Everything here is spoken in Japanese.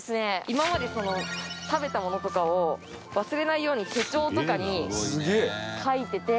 今まで食べたものとかを忘れないように手帳とかに書いてて。